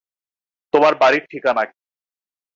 তোমার বাড়ির ঠিকানা কী?